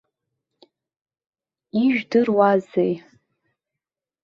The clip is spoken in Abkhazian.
Ижәдыруазеи.